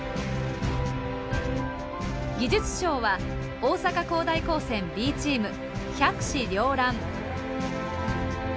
技術賞は大阪公大高専Ｂチーム「百紙繚乱」。